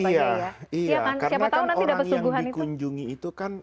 karena orang yang dikunjungi itu kan